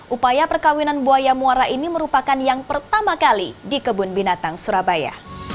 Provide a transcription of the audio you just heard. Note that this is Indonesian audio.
upaya perkawinan buaya muara ini merupakan yang pertama kali di kebun binatang surabaya